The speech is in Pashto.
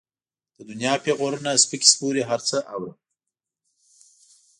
د دنيا پېغورونه، سپکې سپورې هر څه اورم.